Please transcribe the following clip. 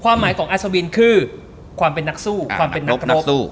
อัศวินคือความเป็นนักสู้ความเป็นนักรบ